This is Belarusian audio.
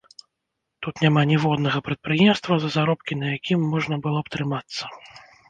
Тут няма ніводнага прадпрыемства, за заробкі на якім можна было б трымацца.